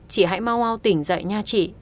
chị hãy mau mau tỉnh dậy nha chị